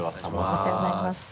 お世話になります。